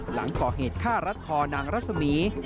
หลังก่อเหตุฆ่ารัดคอนางรัศมี